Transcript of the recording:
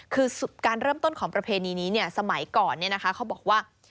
คือการเริ่มต้นของประเพณีนี้สมัยก่อนเขาบอกว่า